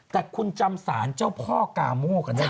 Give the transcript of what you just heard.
แต่คุณจำศาลเจ้าพ่อกาโมกันได้มั้ย